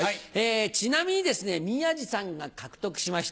ちなみにですね宮治さんが獲得しました